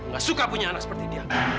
gak suka punya anak seperti dia